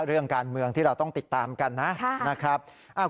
เรื่องการเมืองที่เราต้องติดตามกันนะครับ